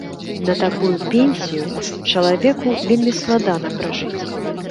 На такую пенсію чалавеку вельмі складана пражыць.